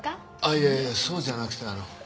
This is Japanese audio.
いやいやそうじゃなくてあの。